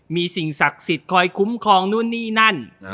มีสิ่งศักดิ์สิทธิ์คอยคุ้มครองนู่นนี่นั่น